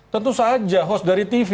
tentu saja host dari tv